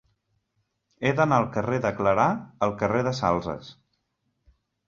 He d'anar del carrer de Clarà al carrer de Salses.